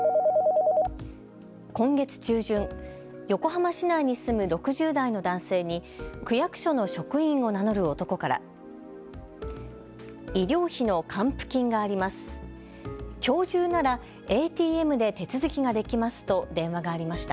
今月中旬、横浜市内に住む６０代の男性に区役所の職員を名乗る男から医療費の還付金があります。